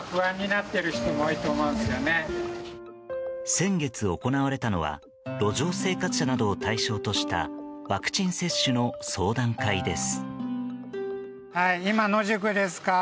先月行われたのは路上生活者などを対象としたワクチン接種の相談会です。